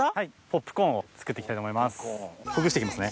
ポップコーンを作って行きたいと思います！